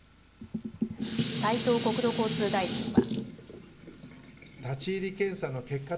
斉藤国土交通大臣は。